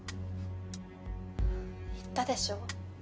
言ったでしょ？